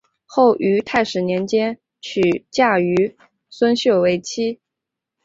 后于泰始年间嫁于孙秀为妻。